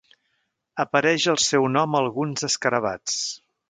Apareix el seu nom a alguns escarabats.